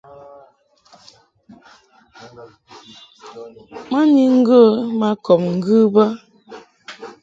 Ma ni ŋgə ma kɔb ŋgɨ bə.